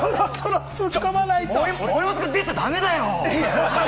森本君、出ちゃ駄目だよ。